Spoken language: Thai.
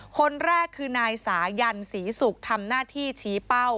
คนแรกคือนายสายันศรีศุกร์ทำหน้าที่ชี้เป้า